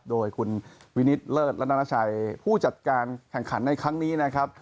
โดยคุณวินิตเลิศรัฐนานาชัยผู้จัดการแข่งขันในครั้งนี้นะครับ